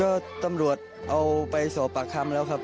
ก็ตำรวจเอาไปสอบปากคำแล้วครับ